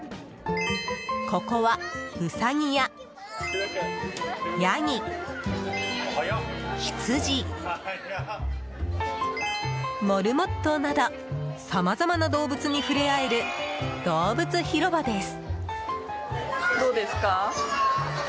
ここはウサギやヤギ、ヒツジ、モルモットなどさまざまな動物に触れ合えるどうぶつ広場です。